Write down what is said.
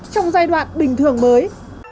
trong giai đoạn bình thường mới